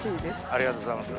ありがとうございます。